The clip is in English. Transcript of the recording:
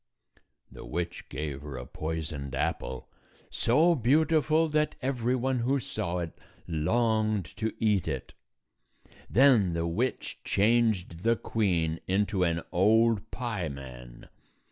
The witch gave her a poisoned apple, so beautiful that every one who saw it longed to eat it. Then the witch changed the queen into an old pieman.